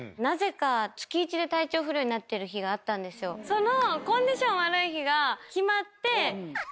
その。